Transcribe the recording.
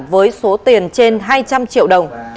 với số tiền trên hai trăm linh triệu đồng